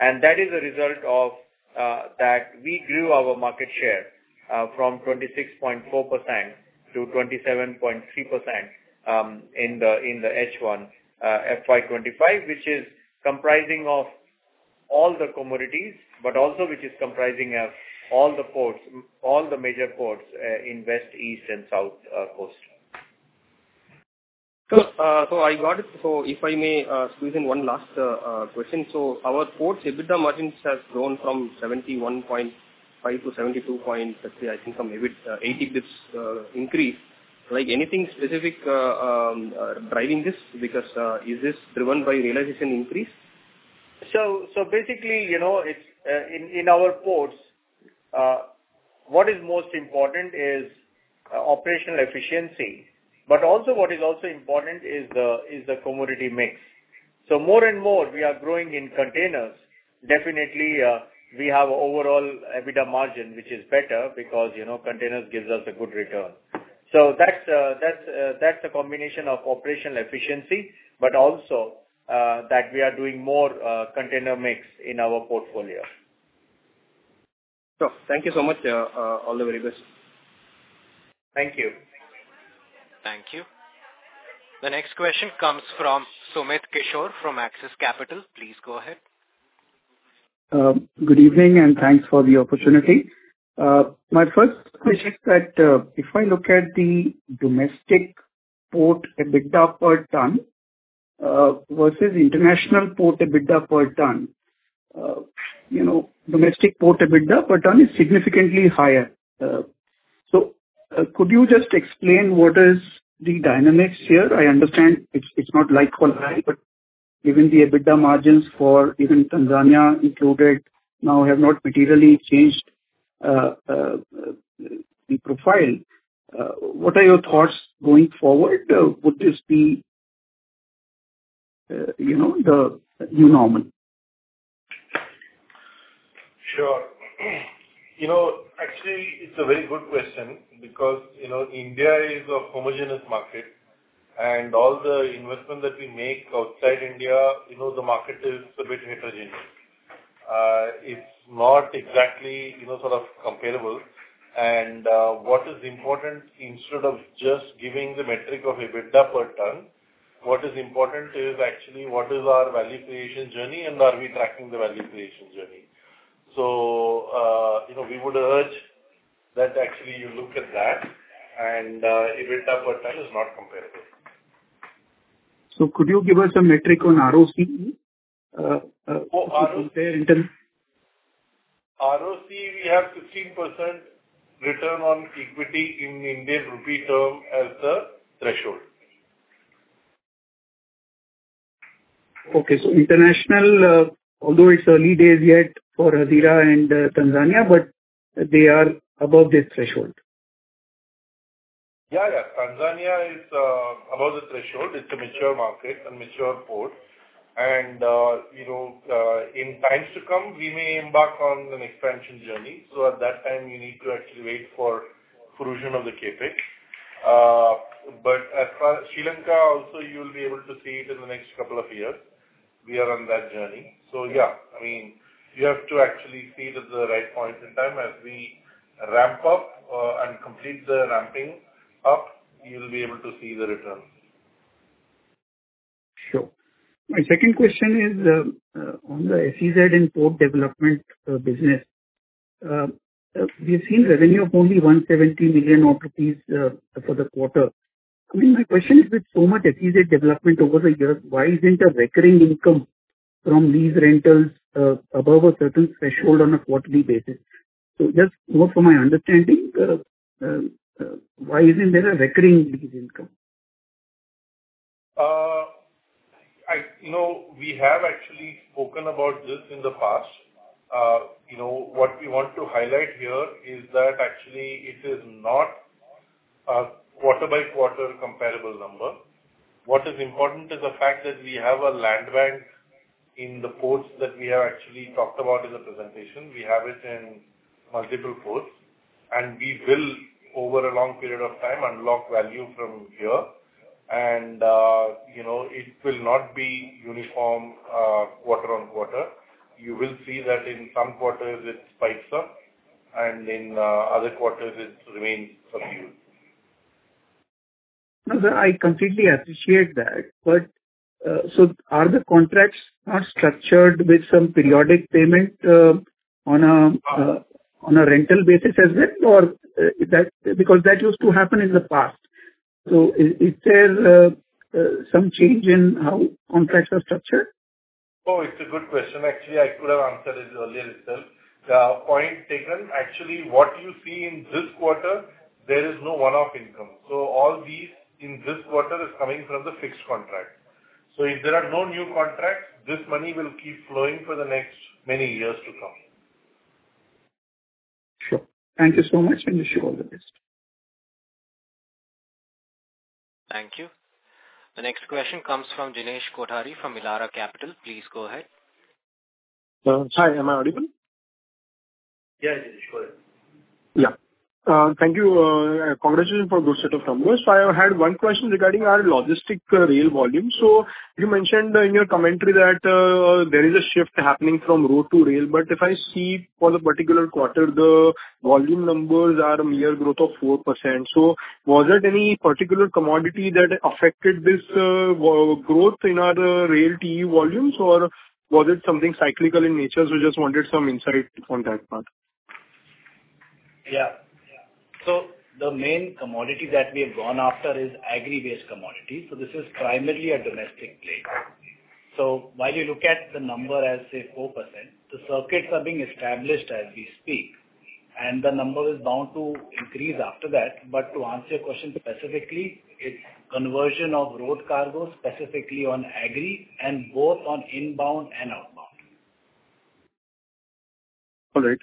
And that is a result of that we grew our market share from 26.4% to 27.3% in the H1 FY 2025, which is comprising of all the commodities, but also which is comprising of all the ports, all the major ports in West, East, and South Coast. So I got it. So if I may squeeze in one last question. So our ports EBITDA margins have grown from 71.5% to 72.3%. I think some EBITDA 80 basis points increase. Anything specific driving this? Because is this driven by realization increase? So basically, in our ports, what is most important is operational efficiency. But also what is also important is the commodity mix. So more and more, we are growing in containers. Definitely, we have overall EBITDA margin, which is better because containers gives us a good return. So that's a combination of operational efficiency, but also that we are doing more container mix in our portfolio. Sure. Thank you so much. All the very best. Thank you. Thank you. The next question comes from Sumit Kishore from Axis Capital. Please go ahead. Good evening, and thanks for the opportunity. My first question is that if I look at the domestic port EBITDA per ton versus international port EBITDA per ton, domestic port EBITDA per ton is significantly higher, so could you just explain what is the dynamics here? I understand it's not like for the high, but given the EBITDA margins for even Tanzania included, now have not materially changed the profile. What are your thoughts going forward? Would this be the new normal? Sure. Actually, it's a very good question because India is a homogeneous market, and all the investment that we make outside India, the market is a bit heterogeneous. It's not exactly sort of comparable, and what is important, instead of just giving the metric of EBITDA per ton, what is important is actually what is our value creation journey, and are we tracking the value creation journey? So we would urge that actually you look at that, and EBITDA per ton is not comparable. Could you give us a metric on ROC? Oh, ROE? ROC, we have 15% return on equity in Indian rupee term as the threshold. Okay, so international, although it's early days yet for Hazira and Tanzania, but they are above this threshold. Yeah, yeah. Tanzania is above the threshold. It's a mature market and mature port, and in times to come, we may embark on an expansion journey, so at that time, you need to actually wait for fruition of the KPIC, but as far as Sri Lanka, also you'll be able to see it in the next couple of years. We are on that journey, so yeah, I mean, you have to actually see it at the right point in time. As we ramp up and complete the ramping up, you'll be able to see the return. Sure. My second question is on the SEZ and port development business. We have seen revenue of only 170 million rupees for the quarter. I mean, my question is, with so much SEZ development over the years, why isn't there recurring income from lease rentals above a certain threshold on a quarterly basis? So just more for my understanding, why isn't there a recurring lease income? We have actually spoken about this in the past. What we want to highlight here is that actually it is not quarter by quarter comparable number. What is important is the fact that we have a land bank in the ports that we have actually talked about in the presentation. We have it in multiple ports, and we will, over a long period of time, unlock value from here. And it will not be uniform quarter on quarter. You will see that in some quarters, it spikes up, and in other quarters, it remains subdued. No, sir, I completely appreciate that. But so are the contracts not structured with some periodic payment on a rental basis as well, or because that used to happen in the past? So is there some change in how contracts are structured? Oh, it's a good question. Actually, I could have answered it earlier itself. Point taken. Actually, what you see in this quarter, there is no one-off income. So all these in this quarter is coming from the fixed contract. So if there are no new contracts, this money will keep flowing for the next many years to come. Sure. Thank you so much, and wish you all the best. Thank you. The next question comes from Jinesh Kothari from Elara Capital. Please go ahead. Hi, am I audible? Yeah, Jinesh, go ahead. Yeah. Thank you. Congratulations for those set of numbers. I had one question regarding our logistics rail volume. So you mentioned in your commentary that there is a shift happening from road to rail. But if I see for the particular quarter, the volume numbers are a mere growth of 4%. So was there any particular commodity that affected this growth in our rail TEU volumes, or was it something cyclical in nature? So I just wanted some insight on that part. Yeah. So the main commodity that we have gone after is agri-based commodities. So this is primarily a domestic play. So while you look at the number as, say, 4%, the circuits are being established as we speak, and the number is bound to increase after that. But to answer your question specifically, it's conversion of road cargo specifically on agri and both on inbound and outbound. All right,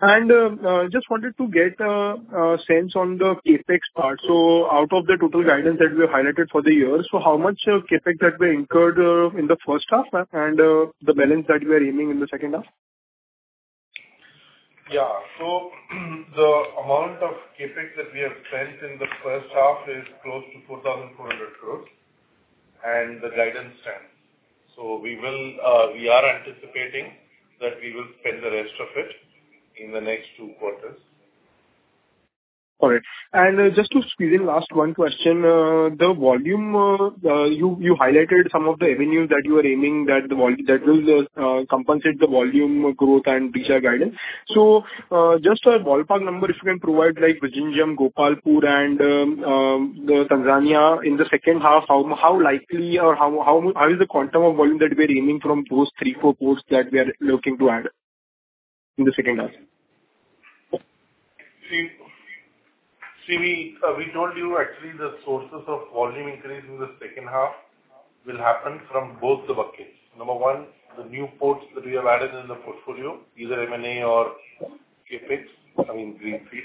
and I just wanted to get a sense on the CapEx part, so out of the total guidance that we have highlighted for the year, so how much CapEx that we incurred in the first half and the balance that we are aiming in the second half? Yeah. The amount of CapEx that we have spent in the first half is close to 4,400 crores, and the guidance stands. We are anticipating that we will spend the rest of it in the next two quarters. All right, and just to squeeze in last one question. The volume, you highlighted some of the avenues that you are aiming that will compensate the volume growth and reach our guidance. So just a ballpark number, if you can provide like Vizhinjam, Gopalpur, and Tanzania in the second half, how likely or how is the quantum of volume that we are aiming from those three, four ports that we are looking to add in the second half? See, we told you actually the sources of volume increase in the second half will happen from both the buckets. Number one, the new ports that we have added in the portfolio, either M&A or greenfield,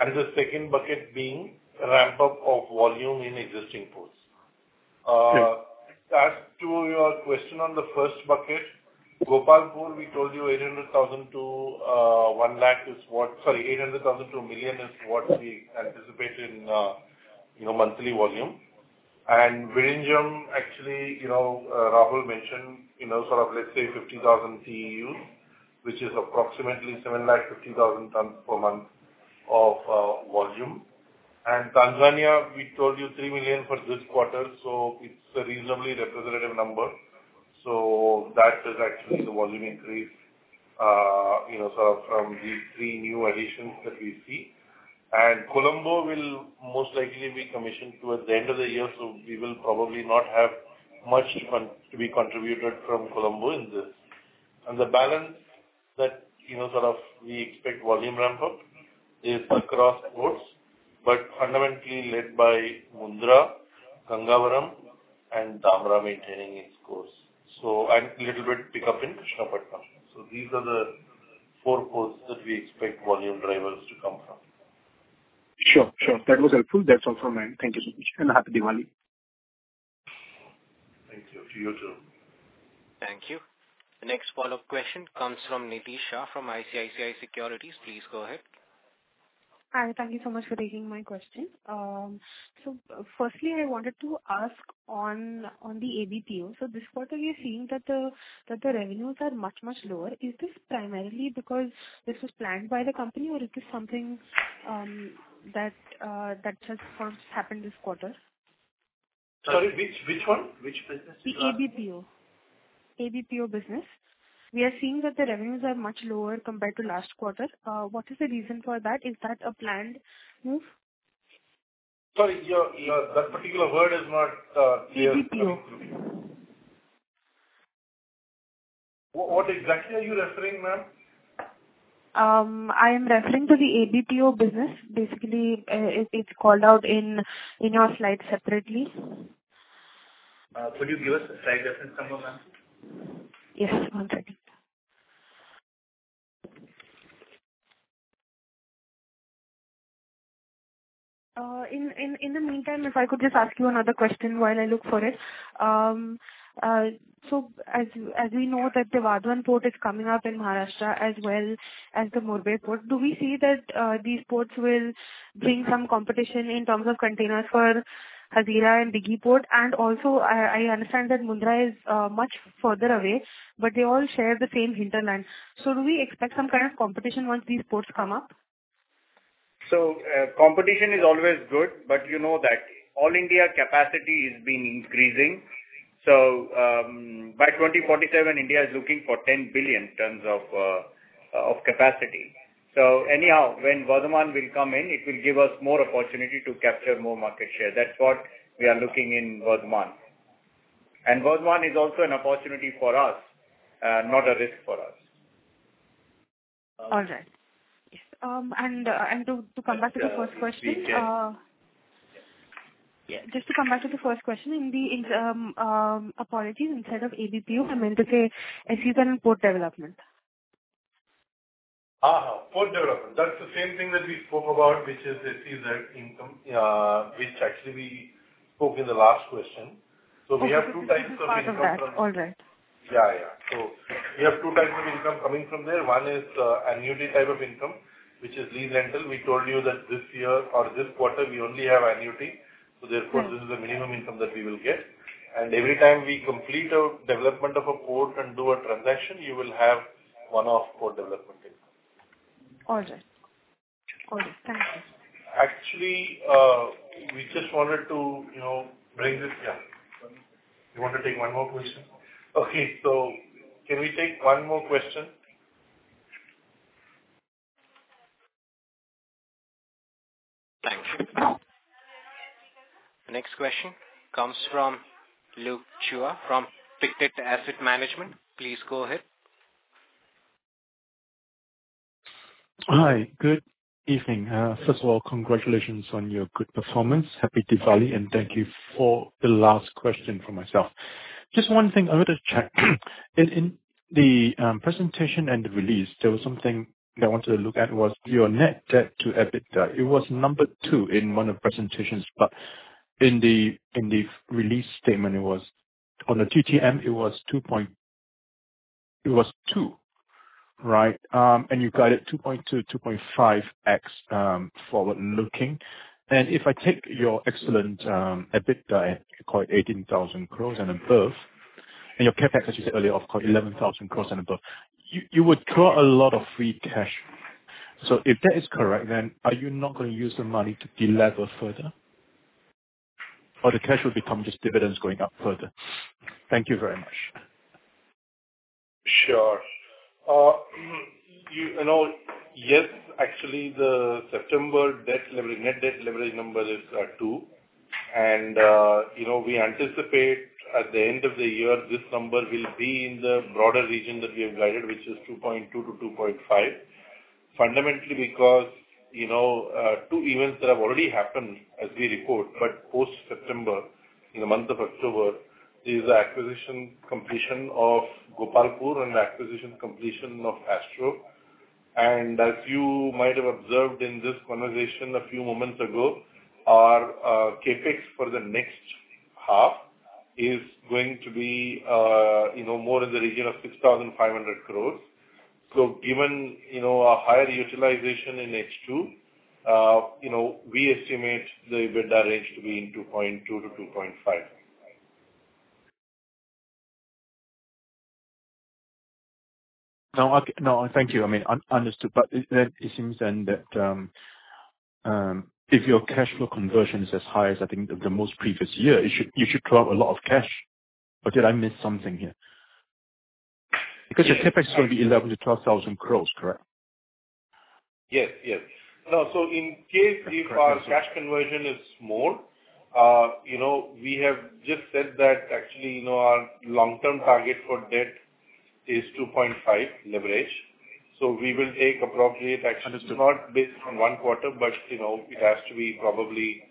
and the second bucket being ramp-up of volume in existing ports. As to your question on the first bucket, Gopalpur, we told you 800,000-1 lakh is what, sorry, 800,000- 1 million is what we anticipate in monthly volume, and Vizhinjam, actually, Rahul mentioned sort of, let's say, 50,000 TEUs, which is approximately 750,000 tons per month of volume, and Tanzania, we told you 3 million for this quarter, so it's a reasonably representative number, so that is actually the volume increase sort of from these three new additions that we see. And Colombo will most likely be commissioned towards the end of the year, so we will probably not have much to be contributed from Colombo in this. And the balance that sort of we expect volume ramp-up is across ports, but fundamentally led by Mundra, Gangavaram, and Dhamra maintaining its course. And a little bit pickup in Krishnapatnam. So these are the four ports that we expect volume drivers to come from. Sure. Sure. That was helpful. That's all from me. Thank you so much, and happy Diwali. Thank you. To you too. Thank you. The next follow-up question comes from Nidhi Shah from ICICI Securities. Please go ahead. Hi. Thank you so much for taking my question. So firstly, I wanted to ask on the ABPO. So this quarter, we are seeing that the revenues are much, much lower. Is this primarily because this was planned by the company, or is this something that just happened this quarter? Sorry, which one? Which business is that? ABPO business. We are seeing that the revenues are much lower compared to last quarter. What is the reason for that? Is that a planned move? Sorry, that particular word is not clear. ABPO. What exactly are you referring, ma'am? I am referring to the ABPO business. Basically, it's called out in your slide separately. Could you give us a slide reference number, ma'am? Yes. One second. In the meantime, if I could just ask you another question while I look for it. So as we know that the Vadhavan Port is coming up in Maharashtra as well as the Murbe Port, do we see that these ports will bring some competition in terms of containers for Hazira and Dahej Port? And also, I understand that Mundra is much further away, but they all share the same hinterland. So do we expect some kind of competition once these ports come up? So competition is always good, but you know that all India capacity is being increasing. So by 2047, India is looking for 10 billion in terms of capacity. So anyhow, when Vadhavan will come in, it will give us more opportunity to capture more market share. That's what we are looking in Vadhavan. And Vadhavan is also an opportunity for us, not a risk for us. All right. And to come back to the first question. Yes, please. Yeah. Just to come back to the first question, in the apologies, instead of ABPO, I meant to say SEZ and port development. Port development. That's the same thing that we spoke about, which is SEZ income, which actually we spoke in the last question. So we have two types of income from. All right. All right. Yeah, yeah. So we have two types of income coming from there. One is annuity type of income, which is lease rental. We told you that this year or this quarter, we only have annuity. So therefore, this is the minimum income that we will get. And every time we complete a development of a port and do a transaction, you will have one-off port development income. All right. All right. Thank you. Actually, we just wanted to bring this yeah. You want to take one more question? Okay. So can we take one more question? Thank you. Next question comes from Luke Chua from Pictet Asset Management. Please go ahead. Hi. Good evening. First of all, congratulations on your good performance. Happy Diwali and thank you for the last question for myself. Just one thing. I want to check. In the presentation and the release, there was something that I wanted to look at was your net debt to EBITDA. It was number two in one of the presentations, but in the release statement, it was on the TTM, it was 2.2x, right, and you guided 2.2x, 2.5x forward-looking, and if I take your excellent EBITDA at, you call it, 18,000 crores and above, and your CapEx, as you said earlier, of 11,000 crores and above, you would draw a lot of free cash, so if that is correct, then are you not going to use the money to delever further? Or the cash would become just dividends going up further? Thank you very much. Sure. Yes, actually, the September net debt leverage number is 2. And we anticipate at the end of the year, this number will be in the broader region that we have guided, which is 2.2-2.5, fundamentally because two events that have already happened as we report, but post-September, in the month of October, is the acquisition completion of Gopalpur and the acquisition completion of Astro. And as you might have observed in this conversation a few moments ago, our CapEx for the next half is going to be more in the region of 6,500 crores. So given a higher utilization in H2, we estimate the EBITDA range to be in 2.2-2.5. No, thank you. I mean, understood. But then it seems that if your cash flow conversion is as high as I think the most previous year, you should draw a lot of cash. But did I miss something here? Because your CapEx is going to be 11,000 crores-12,000 crores, correct? Yes, yes. No, so in case if our cash conversion is small, we have just said that actually our long-term target for debt is 2.5 leverage. So we will take appropriate actions. Understood. It's not based on one quarter, but it has to be probably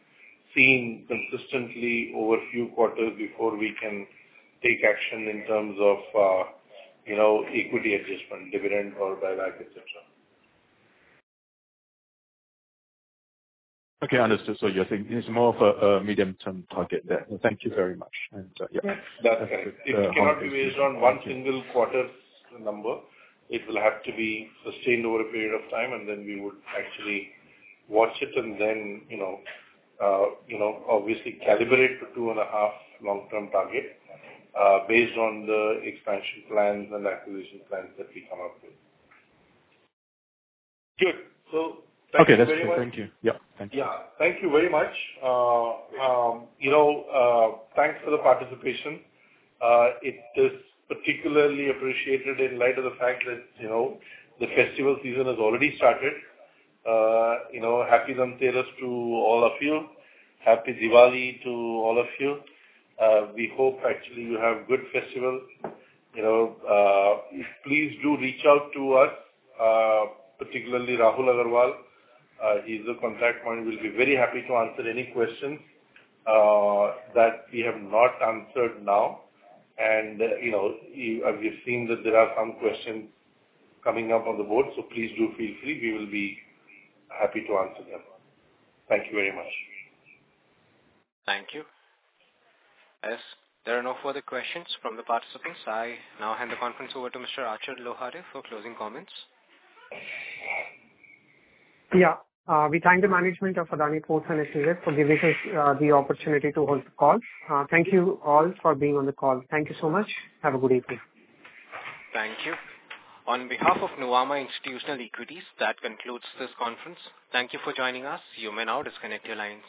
seen consistently over a few quarters before we can take action in terms of equity adjustment, dividend, or buyback, etc. Okay. Understood, so you're saying it's more of a medium-term target there. Thank you very much, and yeah. That's correct. It cannot be based on one single quarter number. It will have to be sustained over a period of time, and then we would actually watch it and then obviously calibrate to two and a half long-term target based on the expansion plans and acquisition plans that we come up with. Good. So that's very much. Okay. That's good. Thank you. Yeah. Thank you. Yeah. Thank you very much. Thanks for the participation. It is particularly appreciated in light of the fact that the festival season has already started. Happy Dhanteras to all of you. Happy Diwali to all of you. We hope actually you have a good festival. Please do reach out to us, particularly Rahul Agarwal. He's the contact point. We'll be very happy to answer any questions that we have not answered now, and we've seen that there are some questions coming up on the board, so please do feel free. We will be happy to answer them. Thank you very much. Thank you. As there are no further questions from the participants, I now hand the conference over to Mr. Achal Lohade for closing comments. Yeah. We thank the management of Adani Ports and SEZ for giving us the opportunity to hold the call. Thank you all for being on the call. Thank you so much. Have a good evening. Thank you. On behalf of Nuvama Institutional Equities, that concludes this conference. Thank you for joining us. You may now disconnect your lines.